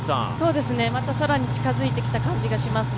また更に近づいてきた感じがしますね。